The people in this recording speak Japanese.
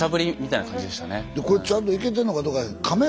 でこれちゃんといけてんのかどうか。